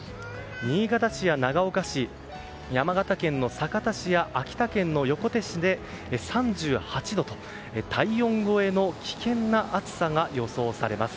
新潟市や長岡市山形県の酒田市や秋田県の横手市で３８度と体温超えの危険な暑さが予想されます。